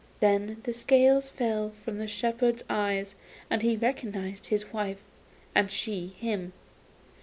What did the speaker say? Then the scales fell from the shepherd's eyes, and he recognised his wife, and she him.